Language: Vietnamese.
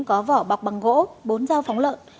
có vỏ bọc bằng gỗ bốn dao phóng lợn